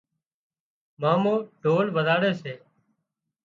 مامو ڍول وزاڙي سي